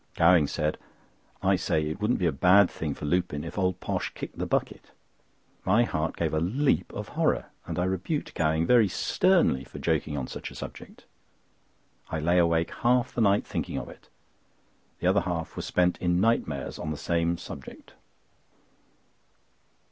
Gowing said: "I say, it wouldn't be a bad thing for Lupin if old Posh kicked the bucket." My heart gave a leap of horror, and I rebuked Gowing very sternly for joking on such a subject. I lay awake half the night thinking of it—the other half was spent in nightmares on the same subject.